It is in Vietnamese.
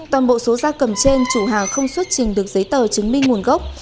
toàn bộ số gia cầm trên chủ hàng không xuất trình được giấy tờ chứng minh nguồn gốc